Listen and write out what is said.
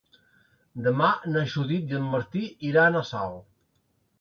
Demà na Judit i en Martí iran a Salt.